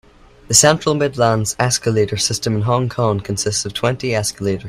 The Central-Midlevels escalator system in Hong Kong consists of twenty escalators.